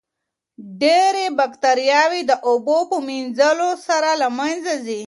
ډېرې باکتریاوې د اوبو په مینځلو سره له منځه ځي.